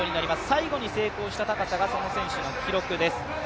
最後に成功した高さが、その選手の記録です。